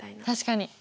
確かに。